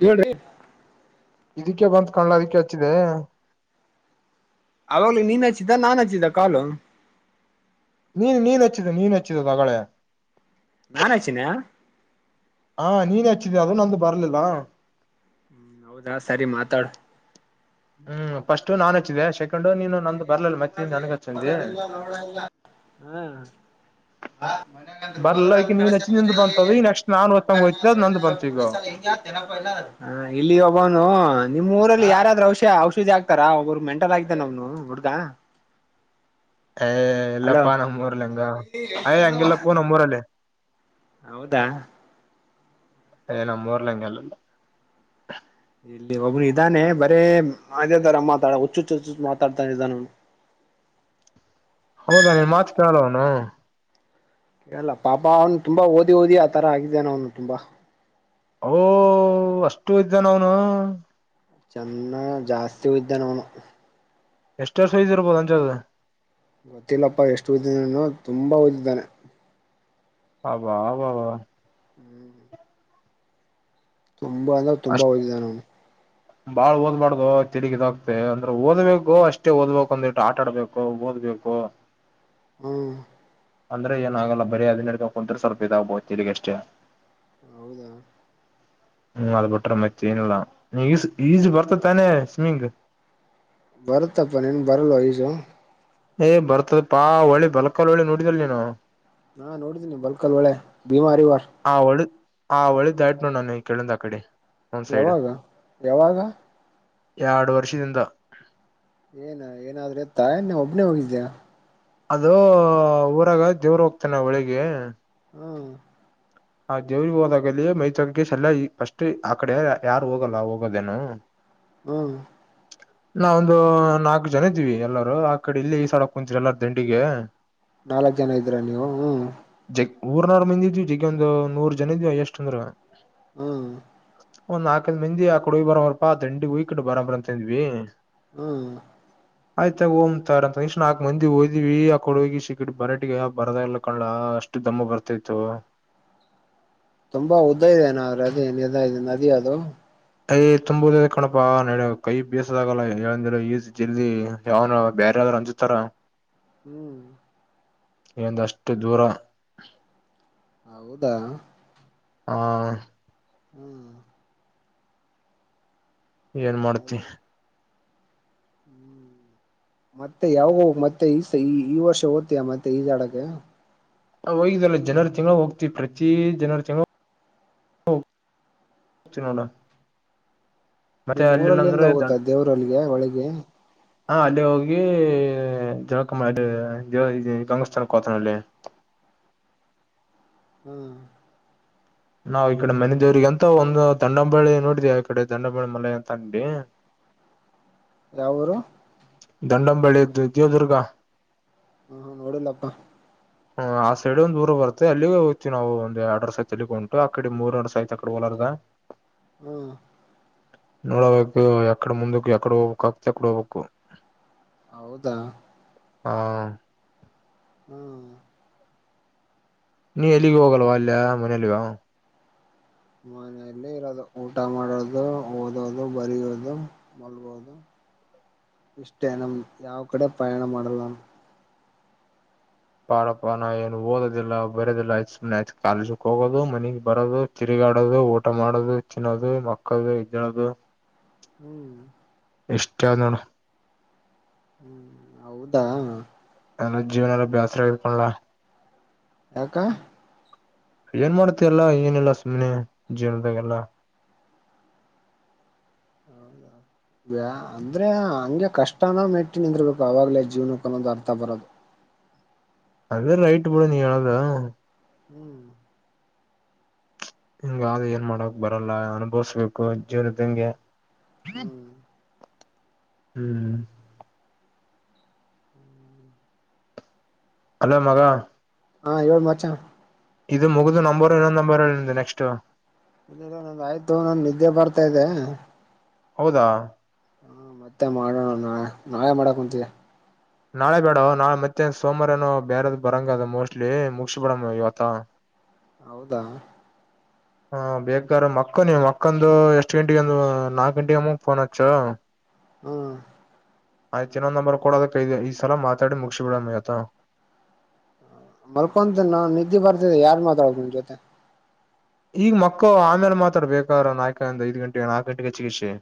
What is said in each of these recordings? ಹೇಳ್ರಿ. ಇದಕ್ಕೆ ಬಂತ ಕಾಣ್ಲ ಅದಕ್ಕೆ ಹಚ್ಚಿದೆ. ಅವಾಗ್ಲೂ ನೀನ್ ಹಚ್ಚಿದ್ದ ನಾನ್ ಹಚ್ಚಿದ್ದ ಕಾಲು. ನೀನ್ ನೀನು ಹಚ್ಚಿದೆ ನೀನು ಹಚ್ಚಿದ್ದು ಆಗಳೇ. ನಾನ ಹಚ್ಚಿನ್ಯಾ. ಹಾ ನೀನೇ ಹಚ್ಚಿದೆ ಅದು ನಂದು ಬರ್ಲಿಲ್ಲ. ಹ್ಮ್ ಹೌದಾ ಸರಿ ಮಾತಾಡ. ಹ್ಮ್ ಫಸ್ಟು ನಾನ ಹಚ್ಚಿದ್ಯಾ ಸೆಕೆಂಡ್. ಸೆಕೆಂಡು ನೀನು ನಂದು ಬರ್ಲಿಲ್ಲ ಮತ್ತ ನನಗ ಹಚ್ಚ ಅಂದಿ. ಓದದಿಲ್ಲ ನೋಡಲ್ಲ ಮನ್ಯಾಗಂದ್ರ ಓದ್ರ ಬರಲ್ಲ ಅಂತ ಈಕ ನೀನ್ ಕಳ್ಸ್ಯಾರ ಹಚ್ಚಿದಿಂದ ಬರೀ ಬಂತ ಅದು ಈಗ ನೆಕ್ಸ್ಟ್ ನಾನ ಒತ್ತಂಗ ಒತ್ತಿದೆ ನಂದ ಬಂತ ಈಗ. [unintelligible] ಎಲ್ಲಾ. ಹ ಇಲ್ಲಿ ಒಬ್ಬವನು ನಿಮ್ಮ ಊರಲ್ಲಿ ಯಾರಾದ್ರೂ ಔಷ ಔಷಧಿ ಹಾಕ್ತಾರ ಒಬ್ರು ಮೆಂಟಲ್ ಆಗಿದನ ಅವನು. ಹ್ಮ ಹುಡುಗ. ಏ ಹಲೋ ಇಲ್ಲಪ್ಪ ನಮ್ಮೂರಲ್ಲ ಹಂಗ ಏ ಹಂಗ ಇಲ್ಲಪ್ಪೊ ನಮ್ಮೂರಲ್ಲೇ. ಹೌದಾ. ಏ ನಮ್ಮ ಊರಲ್ಲಿ ಹಂಗೇನಿಲ್ಲ. ಇಲ್ಲಿ ಒಬ್ರು ಇದ್ದಾನೆ ಬರೇ ಅದೇ ತರ ಮಾತಾಡ ಹುಚ್ಚುಚ್ಚುಚ್ಚು ಮಾತಾಡ್ತಾ ಇದಾನ ಅವನು. ಹೌದಾ ನೀನ ಮಾತ ಕೇಳಲ್ಲ ಅವನು. ಕೇಳಲ್ಲ ಪಾಪ ಅವ್ನು ತುಂಬಾ ಓದಿ ಓದಿ ಆ ತರ ಆಗಿದಾನ ಅವನು ತುಂಬಾ. ಓ ಅಷ್ಟು ಓದಿದಾನ ಅವನು. ಚೆನ್ನಾಗ ಜಾಸ್ತಿ ಓದಿದಾನ ಅವನು. ಎಷ್ಟ ವರ್ಷ ಇದ್ದಿರಬಹುದು ಅಂದಾಜ. ಗೊತ್ತಿಲ್ಲಪ್ಪ ಎಷ್ಟು ಓದಿದಾನೆನೋ ತುಂಬಾ ಓದಿದ್ದಾನೆ. ಅಬ್ಬಾಬ್ಬಾ. ಹ್ಮ್ ತುಂಬಾ ಅಂದ್ರೆ ತುಂಬಾ ಅಷ್ಟು ಓದಿದ್ದಾನೆ ಅವ್ನು [inaudible] ಬಾಳ್ ಓದ್ಬಾರ್ದ ತಿರುಗ್ಗ್ತೆ ಅಂದ್ರೆ ಓದ್ಬೇಕು ಅಷ್ಟೇ ಓದ್ಬೇಕು ಅಂದಟ್ಟು ಆಟಾಡ್ಬೇಕು ಓದ್ಬೇಕು ಹ್ಮ್ ಅಂದ್ರೆ ಏನಾಗಲ್ಲ ಬರಿ ಅದ ನಡ ಕುಂತತ್ ಸ್ವಲ್ಪ ಇದಾಗ್ಬಹು ಇಲ್ಲಿಗ ಅಷ್ಟೇ ಹೌದಾ ಹ್ಮ್ ಅದ್ ಬಿಟ್ರೆ ಮತ್ತೆ ಏನಲ್ಲ ಈ ಈಜ ಬರ್ತ ತಾನೆ ಸಮಿಂಗ ಬರುತ್ತಪ್ಪ ನೀನ್ ಬರಲ್ವ ಈಜು ಏ್ ಬರ್ತದ ಪಾ ಹೊಳಿ ಬಲಕಲ್ ಒಳಿ ನೋಡಿದಲ್ ನೀನು ನಾ ನೋಡಿದ್ದೀನಿ ಬಲ್ಕ ಅಲ್ ಒಳ್ಳೆ ಭೀಮಾರ್ ಇವಾರ್ ಆ ಒಳಿದ ಆ ಒಳ್ದಾಯಟ್ ನ ನಾನ ಕೆೇಳಂದ್ ಆ ಕಡೆ ಒಂದ್ ಸೈಡ್ ಯಾವಾಗ ಯಾವಾಗ ಎರಡು ವರ್ಷದಿಂದ ಏನ ಏನಾದ್ರೆ ತಾಯನ್ನ ಒಬ್ಬನೇ ಹೋಗಿದ್ದ್ಯಾ ಅದು ಊರಾಗ ದೇವ್ರ ಹೋಗ್ತಾನ ಒಳಿಗ್ ಹ್ಮ್ ಆ ದೇವ್ರಿಗೆ ಹೋದಾಗಲ್ಲಿ ಮೈತ್ಕೇಶ್ ಎಲ್ಲಾ ಫಸ್ಟ್ ಆ ಕಡೆ ಯಾರು ಹೋಗಲ್ಲ ಹೋಗೋದೇನು [inaudible] ಹ್ಮ್ ಹ ನಾವೊಂದು ನಾಲ್ಕ್ ಜನ ಇದೀವಿ ಎಲ್ಲಾರೂ ಆ ಕಡೆ ಇಲ್ಲಿ ಈ ಸ ಆಡಕ್ ಕುಂತರು ಎಲ್ಲಾರ ದಂಡಿಗೆ ನಾಲ್ಕ್ ಜನ ಇದೀರಾ ನೀವು ಹ್ಮ ಜಗ್ ಊರ್ನಾರ ಮಂದ ಇದ್ವಿ ಜಗ್ ಒಂದು ನೂರ್ ಜನ ಇದ್ವಿ ಎಷ್ಟ ಅಂದ್ರ ಹ್ಮ್ ಒಂದ್ ನಾಕಲ್ ಮಂದಿ ಆಕ ಹಿ ಬರಬರಪ್ಪಾ ದಂಡಿ ಹುಯ್ಕಟ್ಟ ಬರ ಬರ ಅಂತ ಇದ್ವಿ ಹ್ಮ್ [inaudible] ಆಯ್ತ ಓಮ್ ತಾರ ಅಂತ ಅನು ನಾಕ್ ಮಂದಿ ಓದಿವವಿ ಆ ಕೊಡ ಹೋಗಿ ಸಿಗಟ್ ಬರಾಟಗ ಬರದಲ್ಲ ಕಾಣಲಾಷ್ಟ ಎಷ್ಟ ದಮ್ಮ ಬರ್ತೈತ್ತು ತುಂಬಾ ಉದ್ದ ಇದೆ ಏನಾದ್ರೆ ಅದೇ ನಿ ಇದೆ ನದಿ ಅದು ಯ ತುಂಬುದ ಕಣಪಾ ನಡ ಕೈ ಬೇಸದಾಗಲ್ಲ ಏ ಈ ಜಲ್ದಿ ಯಾವನು ಬೇರೆ ಯಾವಾದ್ರರು ಅಂಜತಾರ ಹ್ಮ್ ಇ ಒಂದ ಅಷ್ಟು ದೂರ ಹೌದಾ ಹ ಹ್ಮ್ ಏನ್ ಮಾಡ್ತಿ ಹ್ಮ್ ಮತ್ತೆ ಯಾವೋ ಮತ್ತೆ ಈ ಈ ವರ್ಷ ಓಯಾ ಮತ್ತೆ ಈ ಜಾಡಗೆ ಹೋಗ್ಲ್ ಜನರು ತಿಂಗಳ ಹೋಗ್ತಿವಿ ಪ್ರತಿ ಜನರ ತಿಂಗಗಳ ಹ ಚ ನೋಡ ಮತ್ತೆ ನಿಮ್ ಅಲ್ಲಿಲ್ಲ ಊರಲ್ಲಿಂದ ಅಂದ್ರೆ ಹೋಗುತ್ತ ದೇವ್ರಲ್ಲಿಗೆ ಒಳಗೆ ಹಾ ಅಲ್ಲಿ ಹೋಗಿ ಜವಕಮ್ಮ ಗಂಗಸ್ಥಾನ ಕೋತಾನ ಅಲ್ಲಿ ಹ್ಮ್ ನಾವ್ ಈ ಕಡೆ ಮನೆ ದೇವ್ರಿಗೆ ಅಂತ ಒಂದು ದಂಡಾಂಬಾಳಿ ನೋಡಿದಿಯ ಈ ಕಡೆ ದಂಡಾಂಬಾಳಿ ಮನೆ ಅಂತ ಅಂಗಡಿ [inaudible] ಯಾವ್ ಊರು ದಂಡಂಬಳಿದ್ದು ದೇವದುರ್ಗ ಹ್ಮ್ ನೋಡಿಲ್ಲಪ್ಪಾ ಹ ಆ ಸೈಡ್ ಒಂದು ಊರು ಬರುತ್ತೆ ಅಲ್ಲಿಗೆ ಹೋಗ್ತಿವಿ ನಾವು ಒಂದು [unintelligible] ಅ ಕಡೆ ಮೂರುವರ್ಸ ಐತ ಅಡೆ ಹೊಲಾರದಾ ಹಾಂ ನೋಡಬೇಕು ಎಕಡ ಮುಂದಕ್ ಎಕಡೆ ಹೋಗ್ಬೇಕ್ ಆಗ್ತ ಅಕಡೆ ಹೋಗ್ಬೇಕು ಹೌದಾ ಹಾ ಹ್ಮ್ ನೀ ಎಲ್ಲಿಗೆ ಹೋಗಲ್ವಾ ಅಲ್ಲಯ ಮನೇಲಿಯು ಮನೆಯಲ್ಲಿ ಇರೋದು ಊಟ ಮಾಡೋದು ಓದೋದು ಬರಿಯೋದು ಮಲಗೋದು ಇಷ್ಟೇ ನಮ್ ಯಾವ ಕಡೆ ಪಯಾಣ ಮಾಡಲ್ಲ ಪಾರ ಪಾನ ನಾವ್ ಏನು ಓದೋದಿಲ್ಲ ಬರೋದಿಲ್ಲಯ ಸುಮ್ನೆ ಕಾಲೇಜಕ್ ಹೋಗೋದು ಮನಗ್ ಬರೋದು ತಿರುಗಾಡೋದು ಊಟ ಮಾಡೋದು ತಿನ್ನೋದು ಮಕ್ಕದು [unintelligible] ಹ್ಮ್ ಇಷ್ಟಾವನ್ನಣ ಹ್ಮ್ ಹೌದಾ ಎಲ್ಲ ಜೀವನ ಎಲ್ಲ ಬ್ಯಾಸರ [unintelligible] ಯಾಕ? ಏನ್ ಮಾಡ್ತಿ ಎಲ್ಲಾ ಏನಿಲ್ಲ ಸುಮ್ಮ್ನೆ ಜೀವನದಾಗೆಲ್ಲ ಹೌದಾ [inaudible] ಅಂದ್ರೆ ಹಂಗೆ ಕಷ್ಟನು ಮೆಟ್ಟಿ ನಿಂದಿರ್ಬೇಕು ಅವಾಗಲೇ ಜೀವನಕ್ಕೆ ಒಂದು ಅರ್ಥ ಬರೋದು ಅದೇ ರೈಟ್ [unintelligible] ಹ್ಮ್ ಹಿಂಗ ಆದ ಏನ್ ಮಾಡಕ್ ಬರಲ್ಲ ಅನುಭವಿಸಬೇಕು ಜೀವನದಂಗೆ ಹ್ಮ್ ಹಲೋ ಮಗ ಹಾ ಹೇಳು ಮಚ ಇದು ಮುಗಿದು ನಂಬರ್ ಇನ್ನೊಂದು ನಂಬರ್ ನೆಸ್ಟ್ ಇಲ್ಲ ನಂದು ಆಯ್ತು ನಾನ್ ನಿದ್ದೆ ಬರ್ತಾ ಇದೆ ಹೌದಾ ಹಾ ಮತ್ತೆ ಮಾಡೋಣ ನಾಳೆ ನಾಳೆ ಮಾಡೋಕ್ ಕುಂತೀವಿ ನಾಳೆ ಬೇಡ ನಾಳೆ ಮತ್ತೆ ಸೋಮಾರನನು ಬೇರೆದ್ ಬರಂಗ ಅದ ಮೋಸ್ಟ್ಲಿ ಮುಗಸಬೇಡಮ ಇವತ್ತ ಹೌದಾ ಹಾ ಬೇಕಾದಾರ ಮಕ್ಕೋ ನೀ ಮಕ್ಕಂದು ಎಷ್ಟ್ ಗಂಟೆಗ ಒಂದು ನಾಲ್ಕ್ ಗಂಟೆಗೆ ಅಮ್ಮಗ್ ಫೋನ್ ಹಚ್ಚು ಹ್ಮ್ ಆಯ್ತ ಇನ್ನೊ ನಂಬರ್ ಕೂಡದಕ್ಕೈದೆ ಈ ಸಲ ಮಾತಾಡಿ ಮುಗಸಿ ಬಿಡಣ ಇವತ್ತು ಮರ್ಕೊಂತಿನೋ ನಿದ್ದೆ ಬರ್ತಿದೆ ಯಾರ್ ಮಾತಾಡೋದು ನಿನ್ ಜೊತೆ ಈಗ ಮಕ್ಕೂ ಆಮೇಲೆ ಮಾತಾಡ್ಬೇಕ ಬೇಕಾರೆ ನಾಲ್ಕಂದ ಐದ್ ಗಂಟೆಗೆ ನಾಕ್ ಗಂಟೆಗೆ [unintelligible]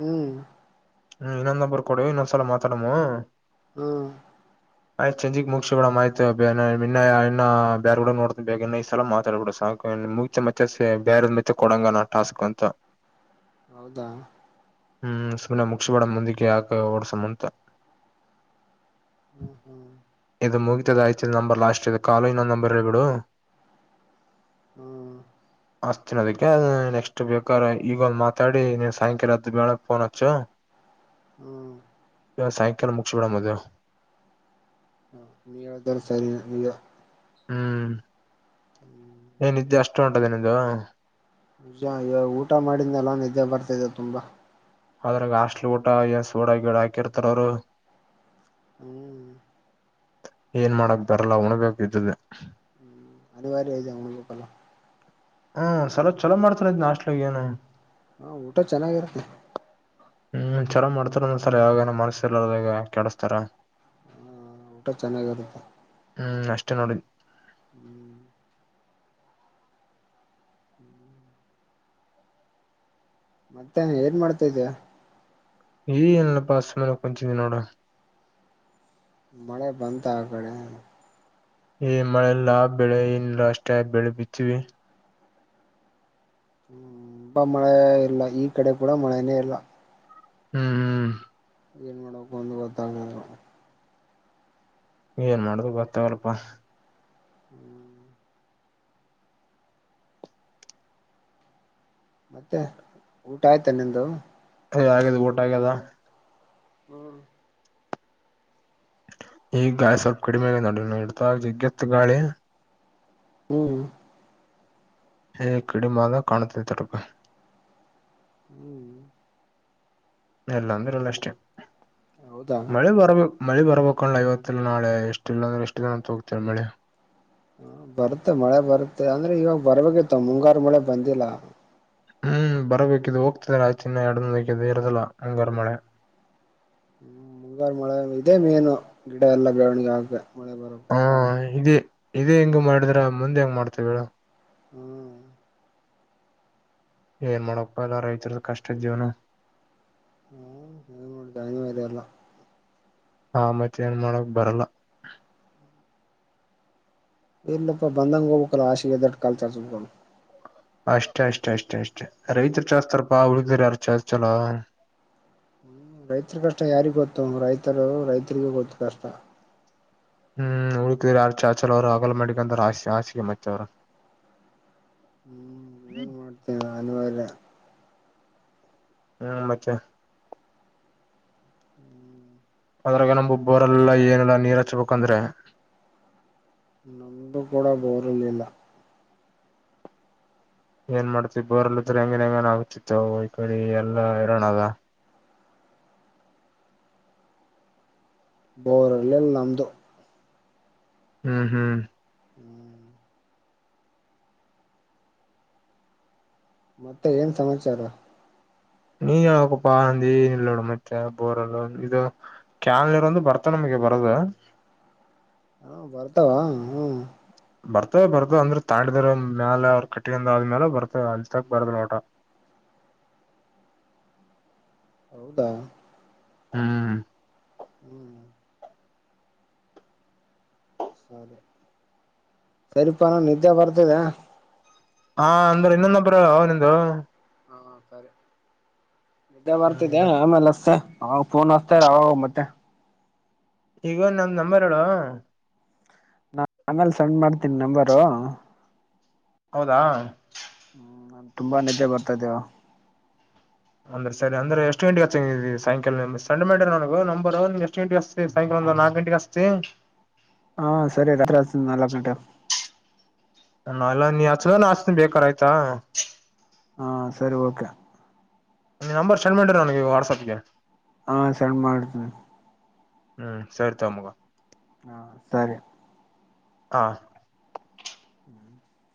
ಹ್ಮ್ ಹ್ಮ್ ಇನ್ನೊಂದು ನಂಬರ್ ಕೊಡು ಇನ್ನೊಂದು ಸಲ ಮಾತಾಡಮು ಹ್ಮ್ [inaudible] ಆಯ್ತ ಚಂಜಿಗ್ ಮುಗ್ಸಿ ಬಿಡ ಆಯ್ತ ಇವಾಗ ಇನ್ನ ಬ್ಯಾರೆಗುಡಾ ನೋಡತಿನಿ ಈ ಸಲ ಮಾತಾಡ್ಬಡು ಸಾಕು. ಮುಗ ಮತ್ತೆೆ ಬೇರೆ ಮತ್ತೆ ಕೊಡಂಗಣ ಟಾಸ್ಕ್ ಅಂತ. ಹೌದಾ. ಹ್ಮ್ ಸುಮನೆ ಮುಗ್ಸಿ ಬಿಡಮ್ ಮುಂದಕ್ಕೆ ಯಾಕ ಓಡ್ಸಮ್ ಅಂತ. ಹ್ಮ್ ಹ್ಮ್. ಇದು ಮುಗಿತತದ ಆಯ್ತ ನಂಬರ್ ಲಾಸ್ಟ್ ಇದು ಕಾಲೋ ಇನ್ನ್ ನಂಬರ್ ಹೇಳಿ ಬಿಡು. ಹ್ಮ್. ಅಚ್ಚತಿನ ಅದಕ್ಕೆ ನೆಕ್ಸ್ಟ್ ಬೇಕಾದ್ರ ಇವಾಗ ಮಾತಾಡಿ ನೀನ್ ಸಾಯಂಕಾಲ ಎದ್ದ ಬೆಳಗ್ ಫೋನ್ ಹಚ್ಚು. [unintelligible] ಹ್ಮ್. ಇವಾಗ ಸಾಯಂಕಾಲ ಮುಗ್ಸಿ ಬಿಡಮ್ ಅದು. ಹ ನೀ ಹೇಳಿದೆಲ್ಲ ಸರಿ. [inaudible] ಹ್ಮ್. ಹ್ಮ. ಏನ ನಿದ್ದೆ ಅಷ್ಟು ಉಂಟದೆ ನಿಂದು. ನಿಜ ಈ ಊಟ ಮಾಡಿದ್ನಲ್ಲ ನಿದ್ದೆ ಬರ್ತಿದೆ ತುಂಬಾ. ಅದ್ರಾಗ ಹಾಸ್ಟ್ಲಿ ಊಟ ಸೊಡ ಗಿಡ ಹಾಕಿರ್ತಾರ ಅವರು. ಹ್ಮ್. ಏನ್ ಮಾಡಕ್ ಬರಲ್ಲ ಉಣಬೇಕ್ ಇದ್ದಿದ್ದೇ. ಹ್ಮ್ ಅನಿವಾರ್ಯ ಐತಿ ಉಣ್ ಬೇಕಲ್ಲ. ಹ್ಮ್ ಸಲ ಚಲೋ ಮಾಡ್ತಾರ ಇದ್ ಹಾಸ್ಟ್ಲಗ್ ಏನು. ಹಾ ಊಟ ಚೆನ್ನಾಗಿರತ್ತೆ. ಹ್ಮ್ ಚಲೋ ಮಾಡ್ತಾರ ಒಂದೊಂದು ಸಲ ಯಾವಾಗ ಏನ ಮನಸ್ ಇರಲರಾದಗ ಕೆಡಿಸತಾರ. ಹ [unintelligible] ಊಟ ಚೆನ್ನಾಗಿರುತ್ತೆ. ಹ್ಮ್ ಅಷ್ಟೇ ನೋಡಿ. ಹ್ಮ್. ಹ್ಮ್. ಮತ್ತೆ ಏನ್ ಮಾಡ್ತಾ ಇದಿಯ. ಏನಿಲ್ಲ ಪಾ ಸುಮ್ನೆ ಕುಂತಿವ ನೋಡ. ಮಳೆ ಬಂದ ಆ ಕಡೆ. ಈ ಮಳೆಲ್ಲಾ ಬೆಳೆ ಇಲ್ಲ ಅಷ್ಟೇ ಬೆಳೆ ಬಿತ್ತೀವಿ. ಹ್ಮ್ ತುಂಬಾ ಮಳೆ ಇಲ್ಲ ಈ ಕಡೆ ಕೂಡ ಮಳೆನೇ ಇಲ್ಲ. ಹ್ಮ್. ಹ್ಮ್ ಏನು ಮಾಡಬೇಕು ಅಂದು ಗೊತ್ತಾಗದು. ಏನ್ ಮಾಡ್ಬೇಕು ಗೊತ್ತಗವಲ್ಪಾ. ಹ್ಮ್. ಮತ್ತೆ ಊಟ ಆಯ್ತಾ ನಿಂದು. ಆಗ್ಯದ ಊಟ ಆಗ್ಯದ. ಹ್ಮ್. ಈಗ ಗಾಳಿ ಸ್ವಲ್ಪ ಕಡಿಮೆ ಆಗ್ಯದ ನೋಡ ಇಡ್ತ ಜಗ್ಗೆತ್ತು ಗಾಳಿ. ಹ್ಮ್. ಹೇ ಕಡಿಮಾಲ ಕಾಣ್ತ ತರಪ. ಹ್ಮ್. ಎಲ್ಲಾ ಅಂದ್ರಲ್ಲ ಅಷ್ಟೇ ಹೌದಾ ಮಳೆ ಬರ್ಬೇಕ. ಮಳ್ಳಿ ಬರ್ಬೇಕು ಅಣ್ಣಾ ಇವತ್ತ ಇಲ್ಲ ನಾಳೆ ಎಷ್ಟ ಇಲ್ಲ ಅಂದ್ರೆ ಎಷ್ಟು ದಿನ ಅಂತ ಹೋಗುತ್ತ್ ಇದ ಮಳ್ಳಿ. ಬರುತ್ತೆ ಮಳೆ ಬರುತ್ತೆ ಅಂದ್ರೆ ಇವಾಗ ಬರ್ಬೇಕಿತ್ತು ಮುಂಗಾರು ಮಳೆ ಬಂದಿಲ್ಲ. ಹ್ಮ್ ಬರಬೇಕಿದ್ದ ಹೋಗ್ತಿದರ [unintelligible] ಚಿನ್ನ ಎಡ ಬೇಕಿದ್ ಇರದಲ್ಲ ಅಂಗಾರ ಮಳೆ ಹ್ಮ್ ಮುಂಗಾರು ಮಳೆ ಇದೆಮೇನು ಗಿಡ ಎಲ್ಲಾ ಬೆಳವಣಿಗೆ ಆಗಕ ಹಾ ಇದ ಇದೇ ಹಿಂಗ ಮಾಡಿದ್ರ ಮುಂದೆ ಹೆಂಗ್ ಮಾಡತ್ತವೇಳ ಹ್ಮ್.... ಏನ್ ಮಾಡಕ್ ಪ್ಪಾ ಅಣ್ಣಾ ರೈತರದ ಕಷ್ಟ ಆಯ್ತಿ ಜೀವನ. [inaudible] ಹ್ಮ ವರಲ್ಲ ಹಾ ಮತ್ತ ಏನ್ ಮಾಡಕ್ ಬರಲ್ಲ. ಈಲ್ಲಪ್ಪ ಬಂದಂಗ ಹೋಗಬೇಕಲ್ಲ ಹಾಸಿಗೆ ಇದ್ದಷ್ಟು ಕಾಲ ಚಾಚಬೇಕಲ. ಅಷ್ಟೇ ಅಷ್ಟೇ ಅಷ್ಟೇ ಅಷ್ಟೇ ರೈತರು ಚಾಸ್ತಾರಪಾ ಹುಳಿದರ ಯಾರು ಚಾಚಾಲ್ಲ. ಹ್ಮ್ ರೈತರ ಕಷ್ಟ ಯಾರಿಗ ಗೊತ್ತು ಮಾರ ರೈತರು ರೈತರಿಗೂ ಗೊತ್ತು ಕಷ್ಟ. ಹ್ಮ್ ಉಳಿದರ ಯಾರ್ ಚಾಚಲ ಅವ್ರು ಅಗಲ ಮಾಡಿಕ ಅಂತ ಆರ ಹಾಸ ಹಾಸಿಗೆ ಮತ್ತ ಅವರ. ಹ್ಮ್ ಏನ್ ಮಾಡ್ತೀನಿ ನಾನಒಲ್ಯಾ ಹ್ಮ್ ಮಚ್ಚಾ.... ಹ್ಮ್ [inaudible] ಅದ್ರಾಗ ನಬ್ಬ ಬೋರ ಅಲ್ಲಾ ಎನ್ ಅಲ್ಲ ನೀರ್ ಹಚ್ಬೇಕಂದ್ರೆ. ನಮದು ಕೂಡ ಬೋರಇರ್ಲಿಲ್ಲ. ಏನ್ ಮಾಡ್ತಿ ಬೋರ್ಲ ಇದ್ರೆ ಹೆಂಗೇನ್ ಹೆಂಗನ ಹುಚ್ಛ್ ಹುಚ್ ಆಗಿ ಕಡಿಗೆ ಎಲ್ಲಾ ಹೈರಾಣ ಆದ.... ಬೋರ ಇರಲಿಲ್ಲ ನದ್ದು ಹ್ಮ್ ಹ್ಮ್.... ಹ್ಮ್ [inaudible] ಮತ್ತೆ ಏನ್ ಸಮಾಚಾರ... ನೀ ಹೇಳ್ಬೇಕ ಪಾ ನಂದೆ ನಿಲ್ಲೋಡು ಮತ್ತೆ ಯಾ ಬೋರಲು ಇದು... ಕ್ಯಾಲ್ ನೀರ ಒಂದು ಬರ್ತ ನಮಗೆ ಬರೋದು. ಹಾ ಬರ್ತಾವ ಹ... ಬರ್ತೇವೆ ಬರ್ತವೆ ಅಂದ್ರೆ ತಾಂಡಿದ್ರ ಒಂದ ಮ್ಯಾಲ ಅವ್ರ ಕಟ್ಟಿಗೆಡ್ ಅದ ಮೇಲ ಬರತ್ತವ್ ಅಲ್ಲಿ ತನ್ ಬರಲ್ಲ ಮಟ್ ಹೌದಾ... ಹಾ.... ಹ್ಮ್... [unintelligible] ಸರಿ ತ ಹಂಗಿದ್ರ ನಿದ್ದೆ ಬರ್ತಿದೆ ಹಾ ಅಂದ್ರೆ ಇನ್ನೊಂದೊಬ್ಬರು ಹೇಳ ಅವ ನಿಂ [inaudible] ಹಾ ಸರಿ ನಿದ್ದೆ ಬರ್ತಿದೆ ಹ್ಮ್ ಆ ಮೇಲೆ ಹಸ್ತ್... ಅವ ಫೋನ್ ಅಸ್ತಾರ ಅವ ವ ಮತ್ತೆ... ಈಗ ಒನ ನಂದ ನಂಬರ್ ಹೇಳ..... ನಾ ಆಮೇಲೆ ಸೆಂಡ್ ಮಾಡ್ತೀನಿ ನಂಬರು.... ಹೌದಾ..... ಹ್ಮ ನಂಗ ತುಂಬಾ ನಿದ್ದೆ ಬರ್ತಾ ಇದೆಯೋ. ಅಂದ್ರೆ ಸರಿ ಅಂದ್ರ ಎಷ್ಟ ಗಂಟೆಗ ಹಚ್ಚಾಗ್ ಆದಿ ನೀ ಸಾಯಂಕಾಲ ಸೆಂಡ ಮಾಡಿರ ನನಗ ನಂಬರ್ ನೀ ಎಷ್ಟು ಗಂಟಿ ಹಚ್.... ಸಾಯಂಕಾಲ ಒಂದ ನಾಲ್ಕ್ ಗಂಟೆಗೆಗಸ್ತಿ ಹಾ.. ಸರಿ ರಾತ್ರಿ ಹಚ್ಚತನಿ ನಾಲಕ್ ಗಂಟೆ ಗೆ ಹ ಎಲ್ಲಾ ನೀ ಹಚ್ಚಿಲ ಅಂದ್ರ ನ ಹಚ್ಚತನಿ ಬೇಕಾರ ಆಯ್ತಾ..... ಹಾ ಸರಿ ಓಕೆ. ನೀ ನಂಬರ್ ಸೆಂಡ್ ಮಾಡಿರ ನನಗೆ ವಾಟ್ಸಆಪ್ಗೆ... ಹಾ ಸಂಡ್ ಮಾಡ್ತಿನಿ. ಹ್ಮ್ ಸರಿ ತಮಗ ಹಾ ಸರಿ. ಹಾ [unintelligible]